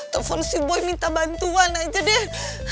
telepon si boy minta bantuan aja deh